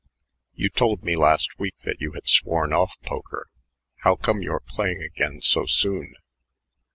"You told me last week that you had sworn off poker. How come you're playing again so soon?"